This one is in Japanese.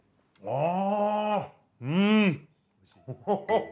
ああ！